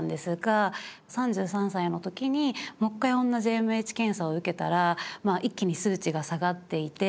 ３３歳の時にもう一回同じＡＭＨ検査を受けたらまあ一気に数値が下がっていて。